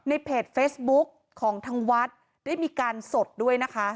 ในเพจเฟซบุ๊กของทางวัดได้มีการสดด้วยนะคะ